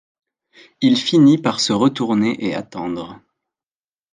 Il finit par se retourner et attendre.